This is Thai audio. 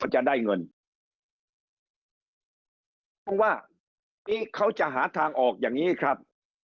จะได้เงินเพราะว่าปีนี้เขาจะหาทางออกอย่างนี้ครับ